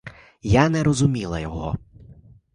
Я не розуміла його.